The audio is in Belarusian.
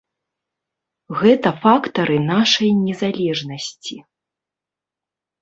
Гэта фактары нашай незалежнасці.